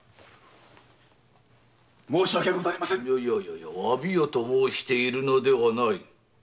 いや詫びよと申しているのではない。